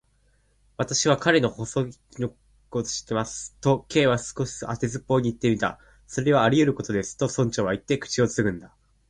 「私は彼の細君のことも知っています」と、Ｋ は少し当てずっぽうにいってみた。「それはありうることです」と、村長はいって、口をつぐんだ。